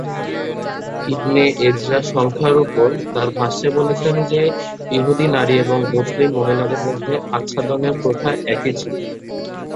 ইবনে Ezra সংখ্যার উপর তার ভাষ্যে বলেছেন যে, ইহুদি নারী এবং মুসলিম মহিলাদের মধ্যে আচ্ছাদনের প্রথা একই ছিল।